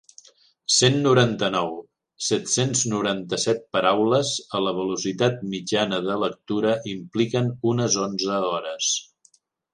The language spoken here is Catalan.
Cent noranta-nou.set-cents noranta-set paraules, a la velocitat mitjana de lectura, impliquen unes onze hores.